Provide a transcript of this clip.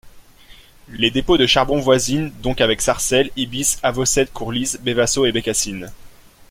Les dépôts de charbon voisines donc avec sarcelles, ibis, avocettes, courlis, bévasseaux et bécassines.